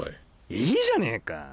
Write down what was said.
いいじゃねえか。